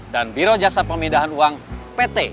dan biro jasa pemindahan uang pt